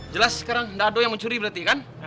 jelas sekarang dado yang mencuri berarti kan